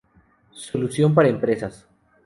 Solución para empresas.